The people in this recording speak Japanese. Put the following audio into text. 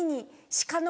鹿の？